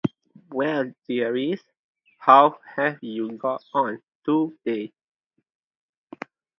Well, dearies, how have you got on to-day?